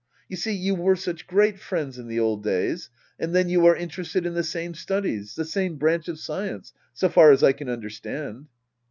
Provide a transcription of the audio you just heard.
You see you were such great friends in the old days. And then you are interested in the same studies — the same branch of science — so far as I can understand.